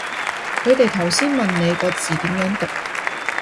佢哋頭先問你個字點樣讀